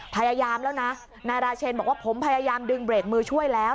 พยายามแล้วนะนายราเชนบอกว่าผมพยายามดึงเบรกมือช่วยแล้ว